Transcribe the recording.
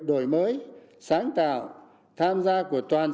đổi mới sáng tạo tham gia của toàn